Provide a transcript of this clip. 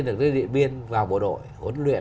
lên được cái điện biên vào bộ đội huấn luyện